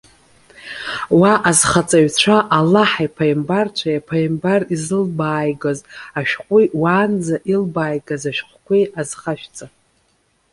Уа азхаҵаҩцәа! Аллаҳи, иԥааимбарцәеи, иԥааимбар изылбааигаз ашәҟәи, уаанӡа илбааигаз ашәҟәқәеи азхашәҵа.